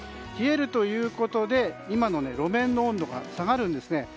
冷えるということで今の路面の温度が下がるんですね。